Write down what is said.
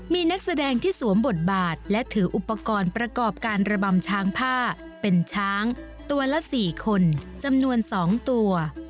มีนักแสดงที่สวมบทบาทและถืออุปกรณ์ประกอบการระบำช้างผ้าเป็นช้างตัวละ๔คนจำนวน๒ตัว